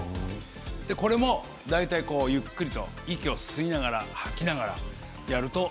これを大体ゆっくりと息を吸いながら吐きながらやると。